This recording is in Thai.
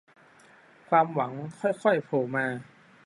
ความหวังค่อยค่อยโผล่มา